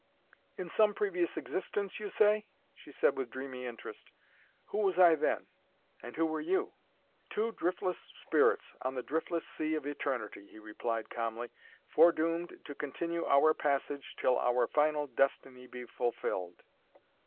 "In some previous existence, you say?" she said with dreamy interest. "Who was I then and who were you?" "Two driftless spirits on the driftless sea of eternity," he replied calmly. "Foredoomed to continue our passage till our final destiny be fulfilled."